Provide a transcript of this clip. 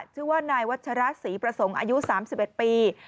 ชื่อว่านายวัชระศรีประสงค์อายุ๓๑ปี